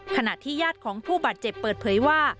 ขณะที่ญาติของผู้บาดเจ็บเปิดเผยว่า